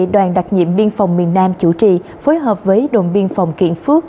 đoàn đặc nhiệm biên phòng miền nam chủ trì phối hợp với đồn biên phòng kiện phước